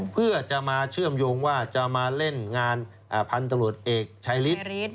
เพื่อจะมาเชื่อมโยงว่าจะมาเล่นงานพันธุ์ตำรวจเอกชายฤทธิฤทธิ์